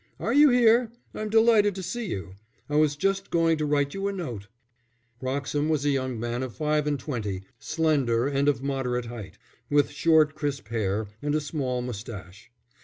"Are you here? I'm delighted to see you. I was just going to write you a note." Wroxham was a young man of five and twenty, slender and of moderate height, with short crisp hair and a small moustache.